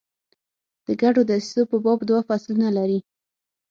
د ګډو دسیسو په باب دوه فصلونه لري.